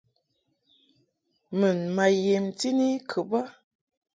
Mun ma yemti ni kɨ bə.